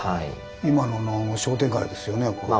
今の商店街ですよねこれ。